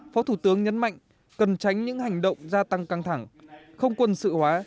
phó thủ tướng nhấn mạnh cần tránh những hành động gia tăng căng thẳng không quân sự hóa